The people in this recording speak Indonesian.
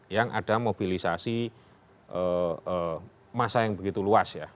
yang ada mobilisasi masa yang begitu luas ya